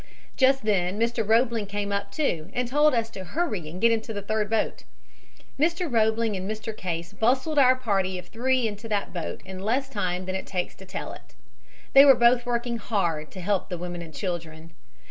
"Just then Mr. Roebling came up, too, and told us to hurry and get into the third boat. Mr. Roebling and Mr. Case bustled our party of three into that boat in less time than it takes to tell it. They were both working hard to help the women and children.